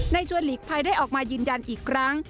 ชวนหลีกภัยได้ออกมายืนยันอีกครั้ง